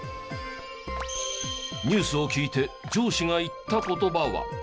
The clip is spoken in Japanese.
ニュースを聞いて上司が言った言葉は。